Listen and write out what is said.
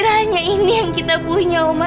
dan hanya ini yang kita punya oma